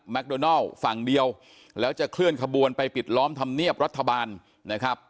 โดนัลฝั่งเดียวแล้วจะเคลื่อนขบวนไปปิดล้อมธรรมเนียบรัฐบาลนะครับ